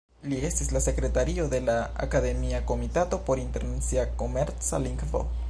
Li estis la sekretario de la Akademia Komitato por Internacia Komerca Lingvo.